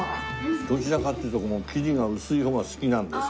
どちらかっていうとこの生地が薄い方が好きなんですよね。